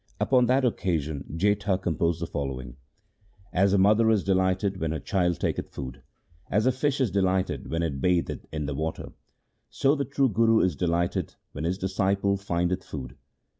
Upon that occasion Jetha composed the following :— As a mother is delighted when her child taketh food, As a fish is delighted when it batheth in the water, So the true Guru is delighted when his disciple findeth food.